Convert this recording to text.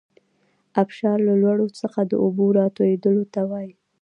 ابشار له لوړو څخه د اوبو راتویدلو ته وايي.